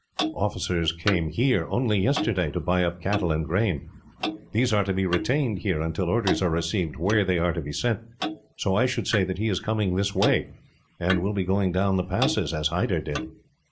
Officers came here, only yesterday, to buy up cattle and grain. These are to be retained here, until orders are received where they are to be sent, so I should say that he is coming this way, and will be going down the passes, as Hyder did.